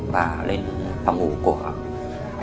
và lên phòng ngủ của cô ạ